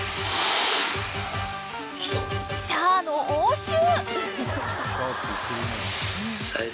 ［シャーの応酬］